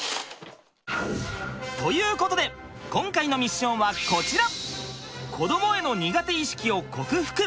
ということで今回のミッションはこちら！